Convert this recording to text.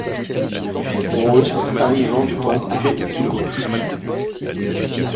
Rose , arrivant du pan coupé de gauche.